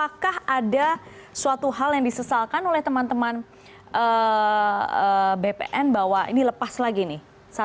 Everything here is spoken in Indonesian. apakah ada suatu hal yang disesalkan oleh teman teman bpn bahwa ini lepas lagi nih